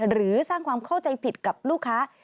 หรือสร้างความเข้าใจผิดกับลูกค้า